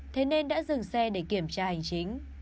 thế nên đã dừng xe để kiểm tra hành chính